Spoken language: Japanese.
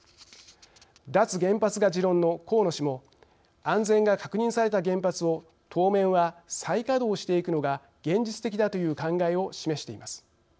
「脱原発」が持論の河野氏も安全が確認された原発を当面は再稼働していくのが現実的だという考えを示しています。